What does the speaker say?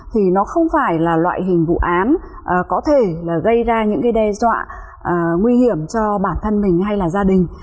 thì nó không phải là loại hình vụ án có thể là gây ra những cái đe dọa nguy hiểm cho bản thân mình hay là gia đình